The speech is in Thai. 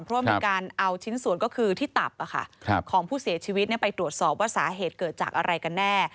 เพราะว่ามีการเอาชิ้นส่วนก็คือที่ตับของผู้เสียชีวิตไปตรวจสอบว่าสาเหตุเกิดจากอะไรกันแน่